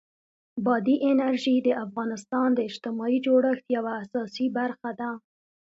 بادي انرژي د افغانستان د اجتماعي جوړښت یوه اساسي برخه ده.